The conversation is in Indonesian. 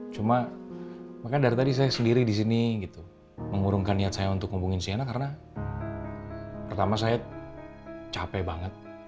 cuma makanya dari tadi saya sendiri disini gitu mengurungkan niat saya untuk menghubungi sienna karena pertama saya capek banget